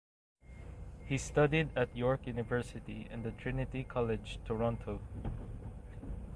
He studied at York University and the Trinity College, Toronto.